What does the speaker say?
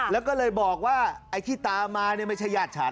แล้วก็เลยบอกว่าไอ้ที่ตามมาเนี่ยไม่ใช่ญาติฉัน